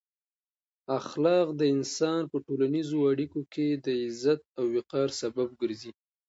اخلاق د انسان په ټولنیزو اړیکو کې د عزت او وقار سبب ګرځي.